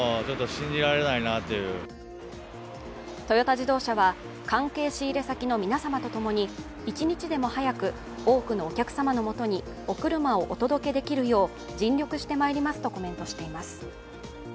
トヨタ自動車は、関係仕入れ先の皆様と共に一日でも早く多くのお客様のもとにお車をお届けできるよう尽力してまいりますとコメントしています。